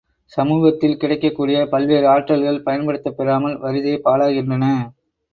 சமூகத்தில் கிடைக்கக் கூடிய பல்வேறு ஆற்றல்கள் பயன்படுத்தப் பெறாமல் வறிதே பாழாகின்றன.